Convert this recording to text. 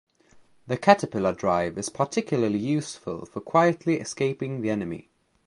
The caterpillar drive is particularly useful for quietly escaping the enemy.